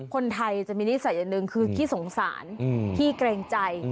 คนไทยจะมีนิสัยอย่างหนึ่งคือขี้สงสารขี้เกรงใจ